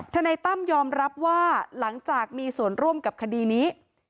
นายตั้มยอมรับว่าหลังจากมีส่วนร่วมกับคดีนี้